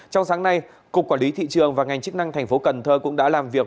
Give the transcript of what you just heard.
trong sáng nay cục quản lý thị trường và ngành chức năng thành phố cần thơ cũng đã làm việc